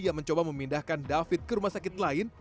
yang mencoba memindahkan david ke rumah sakit lain